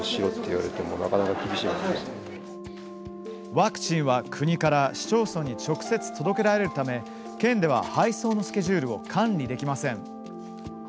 ワクチンは国から市町村に直接届けられるため県では配送のスケジュールを管理できません。